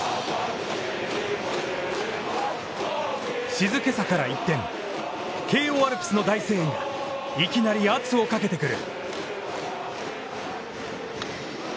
静けさから一転、慶応アルプスの大声援がいきなり圧をかけてくる。